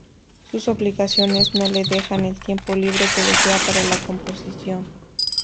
Sus obligaciones no le dejan el tiempo libre que desea para la composición.